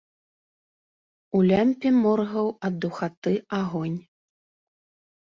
У лямпе моргаў ад духаты агонь.